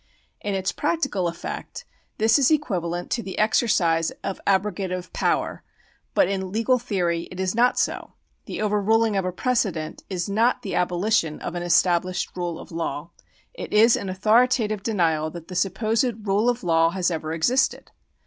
In its practical effect this is equivalent to the exercise of abrogative power, but in legal theory it is not so. The overruling of a precedent is not the abolition of an established rule of law ; it is an authoritative denial that the supposed rule of law has ever existed.